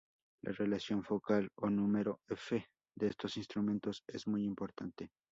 La relación focal o "número f" de estos instrumentos es muy importante.